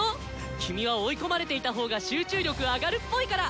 キミは追い込まれていた方が集中力上がるっぽいから！